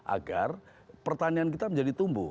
agar pertanian kita menjadi tumbuh